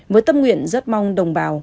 với tâm nguyện rất mong đồng bào